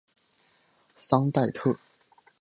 桑代特。